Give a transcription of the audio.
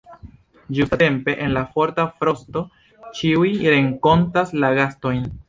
Ĝustatempe en la forta frosto ĉiuj renkontas la gastojn.